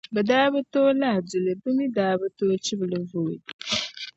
Bɛ daa bi tooi lahi du li, bɛ mi bɛ tooi chibi li voli.